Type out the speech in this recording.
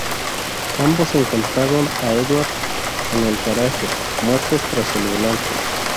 Ambos encontraron a Eduard en el garaje, muertos tras el volante.